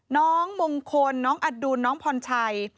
น้องมงคลน้องอดุลน้องพรชัย